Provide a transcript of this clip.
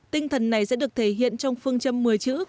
tinh thần này sẽ được thể hiện trong phương châm một mươi chữ